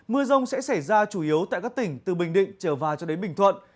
mưa rông sẽ xảy ra chủ yếu tại các tỉnh từ bình định trở vào cho đến bình thuận